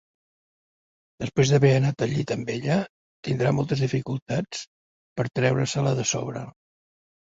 Després d'haver anat al llit amb ella, tindrà moltes dificultats per treure-se-la de sobre.